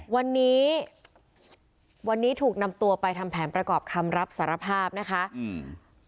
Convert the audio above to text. วันนี้วันนี้ถูกนำตัวไปทำแผนประกอบคำรับสารภาพนะคะอืม